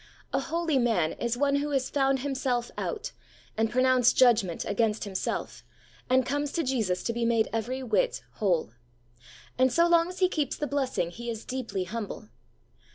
A holy man is one who has found himself out, and pronounced judgment against himself, and come to Jesus to be made every whit whole. And so long as he keeps the blessing, he is deeply humble.